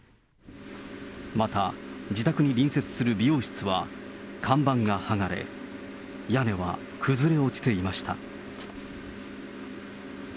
また、自宅に隣接する美容室は、看板が剥がれ、屋根は崩れ落ちていました。